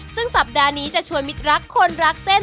ซึ่งสัปดาห์นี้จะชวนมิดรักคนรักเส้น